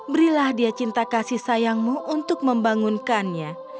berilah dia cinta kasih sayangmu untuk membangunkannya